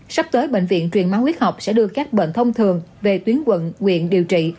sắp tới bệnh viện truyền máu huyết học sẽ đưa các bệnh thông thường về tuyến quận quyện điều trị